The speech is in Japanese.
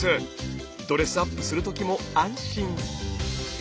ドレスアップする時も安心。